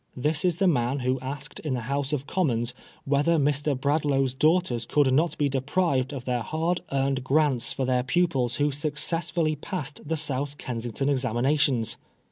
This is the man who asked in the House of Commons whether Mr. Bradlaugh's daughters could not be deprived of their hard earned grants for their pupils who successfully passed the South Kensington examinations